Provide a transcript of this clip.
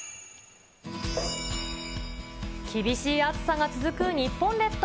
厳しい暑さが続く日本列島。